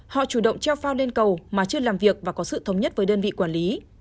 họ chủ động treo phao lên cầu mà chưa làm việc và có sự thống nhất với đơn vị quản lý